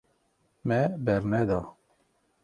Me berneda.